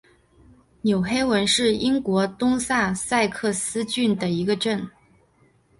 纽黑文是英国东萨塞克斯郡的一个镇。